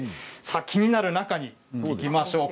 気になる中に行きましょう。